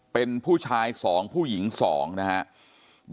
เป็นผู้ชาย๒ผู้หญิง๒นะครับ